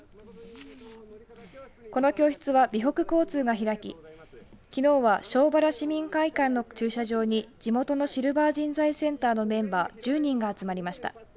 この教室は備北交通が開ききのうは庄原市民会館の駐車場に地元のシルバー人材センターのメンバー１０人が集まりました。